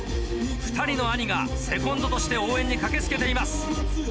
２人の兄がセコンドとして応援に駆け付けています。